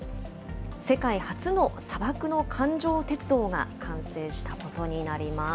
世界初の砂漠の環状鉄道が完成したことになります。